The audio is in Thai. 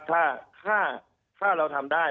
ถ้าเราทำได้